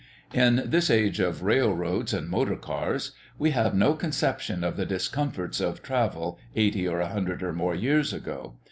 In this age of railroads and motor cars we have no conception of the discomforts of travel eighty or a hundred or more years ago.